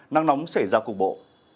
nắng nóng sẽ ra cục bộ